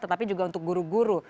tetapi juga untuk guru guru